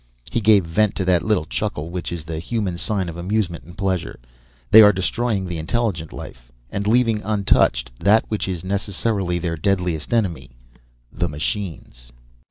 He gave vent to that little chuckle which is the human sign of amusement and pleasure. "They are destroying the intelligent life and leaving untouched that which is necessarily their deadliest enemy the machines.